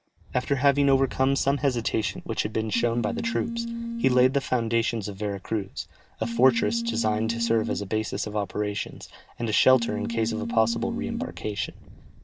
After having overcome some hesitation which had been shown by the troops, he laid the foundations of Vera Cruz, a fortress designed to serve as a basis of operations, and a shelter in case of a possible re embarkation.